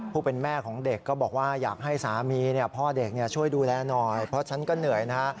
เป็นแม่ของเด็กก็บอกว่าอยากให้สามีพ่อเด็กช่วยดูแลหน่อยเพราะฉันก็เหนื่อยนะฮะ